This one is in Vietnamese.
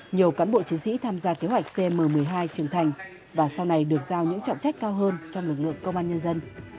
nhiều cán bộ chiến sĩ tham gia kế hoạch cm một mươi hai trưởng thành và sau này được giao những trọng trách cao hơn cho lực lượng công an nhân dân